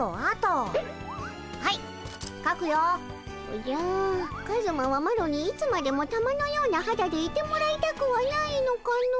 おじゃカズマはマロにいつまでも玉のようなはだでいてもらいたくはないのかの？